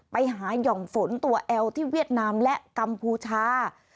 ไปหาย่อมฝนตัวแอลที่เวียดนามและกัมพูชา